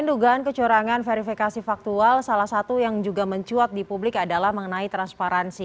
nah kecuali salah satu yang juga mencuat di publik adalah mengenai transparansi